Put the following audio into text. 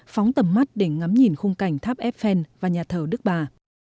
phóng tầm mắt để ngắm nhìn khung cảnh tháp eiffel và nhà thờ đức bà